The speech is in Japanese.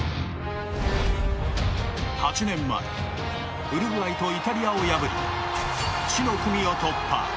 ８年前ウルグアイとイタリアを破り死の組を突破！